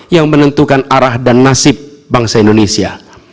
yang menentukan arah dan nasib bangsa indonesia